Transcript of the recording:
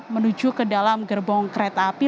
menuju ke dalam gerbong kereta api